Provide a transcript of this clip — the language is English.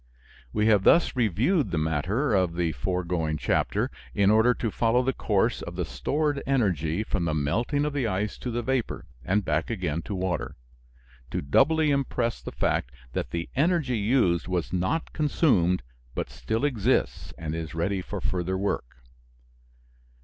We have thus reviewed the matter of the foregoing chapter in order to follow the course of the stored energy from the melting of the ice to the vapor, and back again to water: to doubly impress the fact that the energy used was not consumed, but still exists and is ready for further work.